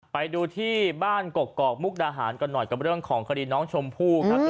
ไปดูที่บ้านกกอกมุกดาหารกันหน่อยกับเรื่องของคดีน้องชมพู่ครับ